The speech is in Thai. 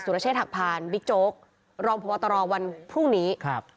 สุรเชษฐัพพาลบิ๊กโจ๊กรองประวัตรรองค์วันพรุ่งนี้